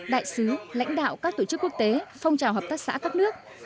đại sứ lãnh đạo các tổ chức quốc tế phong trào hợp tác xã cấp nước